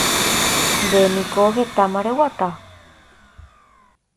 Ndéniko hetama reguata